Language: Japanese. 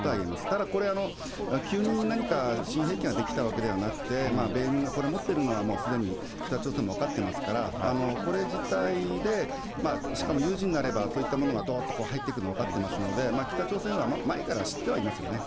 ただこれ、急に何か新兵器が出来たわけではなくて、米軍がこれ持ってるのはすでに、北朝鮮も分かってますから、これ自体で、しかも有事になれば、そういうものがどーっと入ってくるの分かってますので、北朝鮮は前から知ってはいますよね。